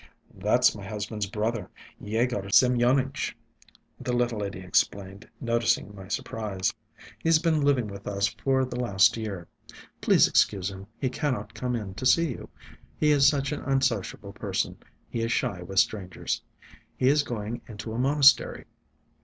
"That's my husband's brother, Yegor Semyonitch," the little lady explained, noticing my surprise. "He's been living with us for the last year. Please excuse him; he cannot come in to see you. He is such an unsociable person, he is shy with strangers. He is going into a monastery.